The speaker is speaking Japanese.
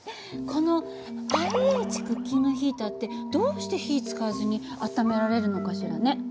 このＩＨクッキングヒーターってどうして火使わずに温められるのかしらね？